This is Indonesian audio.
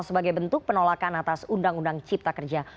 sebagai bentuk penolakan atas undang undang cipta kerja